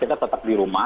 kita tetap di rumah